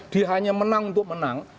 dia hanya menang untuk menang